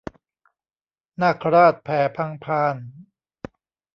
นาคราชแผ่พังพาน